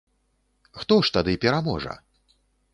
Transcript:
Хто ж тады пераможа?